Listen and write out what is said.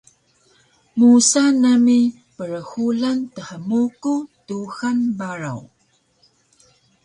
Musa nami prhulan thmuku Tuxan Baraw